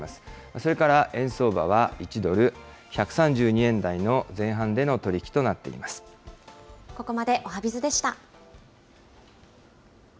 それから円相場は１ドル１３２円台の前半での取り引きとなっていここまでおはＢｉｚでした。